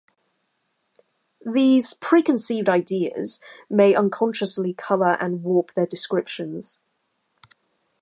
These preconceived ideas may unconsciously color and warp their descriptions.